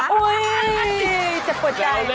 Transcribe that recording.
อุ๊ยเจ็บปวดใจ